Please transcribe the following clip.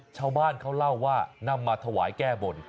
ชาวบ้านเขาเล่าว่านำมาถวายแก้บน